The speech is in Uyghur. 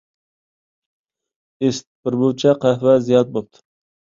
ئىسىت، بىر مۇنچە قەھۋە زىيان بوپتۇ.